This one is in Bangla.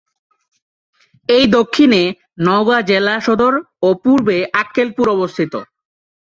এই দক্ষিণে নওগাঁ জেলা সদর ও পূর্বে আক্কেলপুর অবস্থিত।